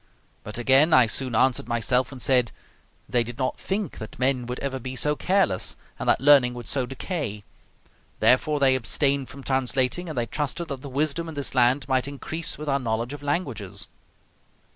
But again, I soon answered myself and said, "They did not think that men would ever be so careless, and that learning would so decay; therefore they abstained from translating, and they trusted that the wisdom in this land might increase with our knowledge of languages."